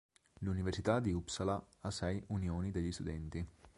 L'Università di Uppsala ha sei unioni degli studenti.